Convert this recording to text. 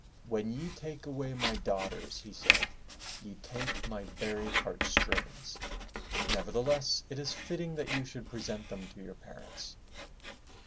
"When ye take away my daughters/' he said, ''y^ take my very heart strings. Nevertheless it is fitting that you should present them to your parents.'